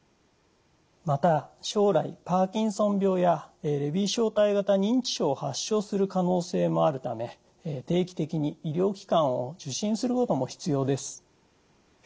また将来パーキンソン病やレビー小体型認知症を発症する可能性もあるため定期的に医療機関を受診することも必要です。